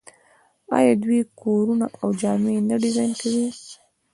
آیا دوی کورونه او جامې نه ډیزاین کوي؟